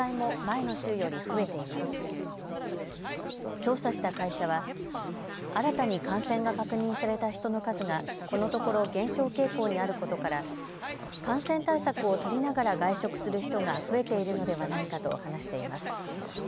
調査した会社は新たに感染が確認された人の数がこのところ減少傾向にあることから感染対策を取りながら外食する人が増えているのではないかと話しています。